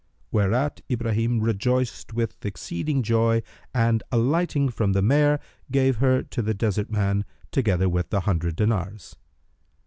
Whereat Ibrahim rejoiced with exceeding joy and alighting from the mare, gave her to the Desert man, together with the hundred dinars.